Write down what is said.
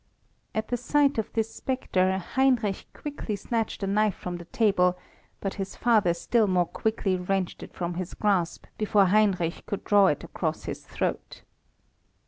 At the sight of this spectre, Heinrich quickly snatched a knife from the table, but his father still more quickly wrenched it from his grasp before Heinrich could draw it across his throat.